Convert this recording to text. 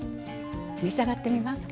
召し上がってみますか？